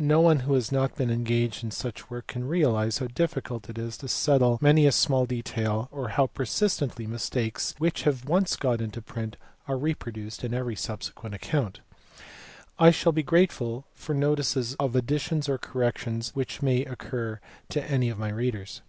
No one who has not been engaged in such work can realize how difficult it is to settle many a small detail or how persistently mistakes which have once got into print are reproduced in every subsequent account. I shall be grateful for notices of additions or corrections which may occur to any of my readers.